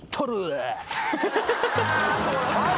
はい。